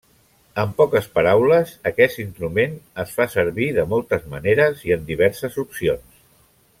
En poques paraules, aquest instrument es fa servir de moltes maneres i en diverses opcions.